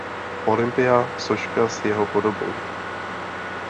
Olympia soška s jeho podobou.